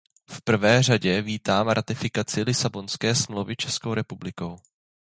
V prvé řadě vítám ratifikaci Lisabonské smlouvy Českou republikou.